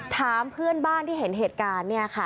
ถามเพื่อนบ้านที่เห็นเหตุการณ์เนี่ยค่ะ